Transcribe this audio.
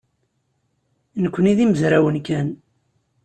Nekkni d imezrawen kan.